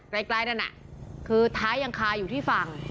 แบบอย่างนั้นใกล้นั่นน่ะคือท้ายังคาอยู่ที่ฝั่ง